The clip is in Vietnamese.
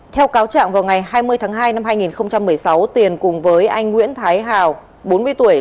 theo cáo trạng vào ngày hai mươi tháng hai năm hai nghìn một mươi sáu tiền cùng với anh nguyễn thái hào bốn mươi tuổi